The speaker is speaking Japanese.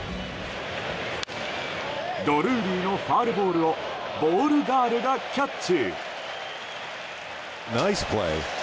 ドルーリーのファウルボールをボールガールがキャッチ。